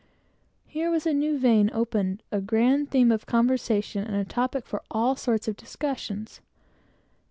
Here was a new vein opened; a grand theme of conversation, and a topic for all sorts of discussions.